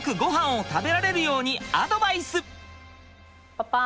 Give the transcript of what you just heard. パパ！